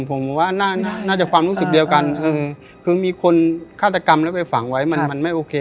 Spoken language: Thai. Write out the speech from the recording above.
ผมว่าน่าจะความรู้สึกเดียวกันคือมีคนฆาตกรรมแล้วไปฝังไว้มันไม่โอเค